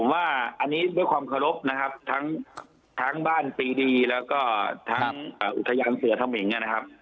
ว่าอันนี้ด้วยความเคารพนะครับทั้งบ้านปีดีแล้วก็ทั้งอุทยานเสือสมิงนะครับ